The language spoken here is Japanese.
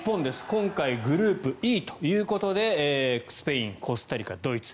今回、グループＥということでスペイン、コスタリカ、ドイツ。